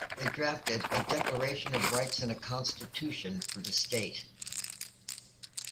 They drafted a declaration of rights and a constitution for the state.